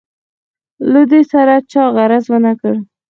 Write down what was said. له دوی سره چا غرض ونه کړ.